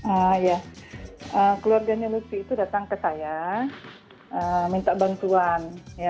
ah ya keluarganya lutfi itu datang ke saya minta bantuan